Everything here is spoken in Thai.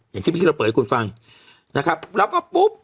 อย่างที่เมื่อกี้เราเปิดให้คุณฟังนะครับแล้วก็ปุ๊บ